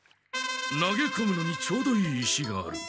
投げこむのにちょうどいい石がある。